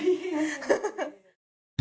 ハハハ！